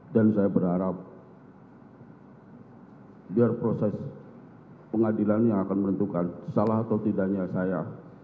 dan saya berharap biar proses pengadilan yang akan menentukan salah atau tidaknya saya